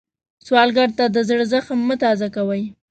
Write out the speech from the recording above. سوالګر ته د زړه زخم مه تازه کوئ